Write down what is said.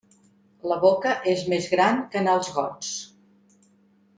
La boca és més gran que en els gots.